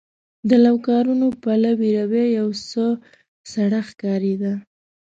د لوکارنو پلوي رویه یو څه سړه ښکارېده.